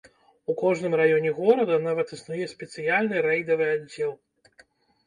У кожным раёне горада нават існуе спецыяльны рэйдавы аддзел.